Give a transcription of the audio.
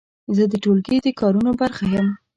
زه د ټولګي د کارونو برخه یم.